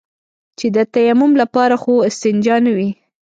چې د تيمم لپاره خو استنجا نه وي.